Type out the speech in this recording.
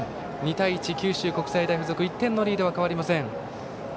２対１、九州国際大付属１点のリードは変わりません。